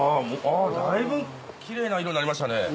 だいぶキレイな色になりましたね。